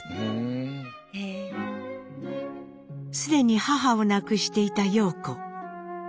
すでに母を亡くしていた様子。